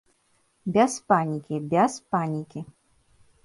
Без панікі, без панікі.